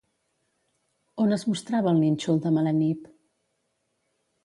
On es mostrava el nínxol de Melanip?